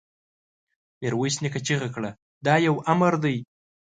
ميرويس نيکه چيغه کړه! دا يو امر دی!